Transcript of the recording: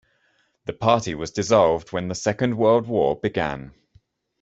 The party was dissolved when the Second World War began.